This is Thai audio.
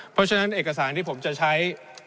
เพราะฉะนั้นเอกสารที่ผมจะใช้